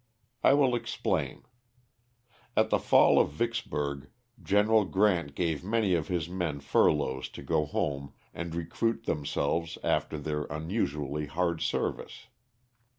I will explain : At the fall of Vicksburg Gen. Grant gave many of his men furloughs to go home and recruit themselves after their unusually hard service.